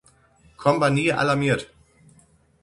Kompanie alarmiert.